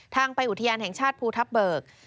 ทางไปอุทยานแห่งชาติภูทับเบิก